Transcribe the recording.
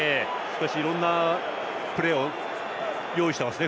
いろんなプレーを用意してますね。